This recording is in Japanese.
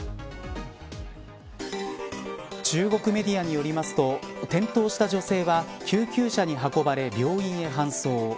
中国メディアによりますと転倒した女性は救急車に運ばれ病院へ搬送。